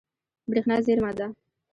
برېښنا زیرمه ده.